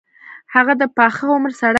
هغه د پاخه عمر سړی وو.